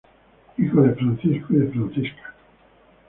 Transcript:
Hijo de Francisco y de Francisca.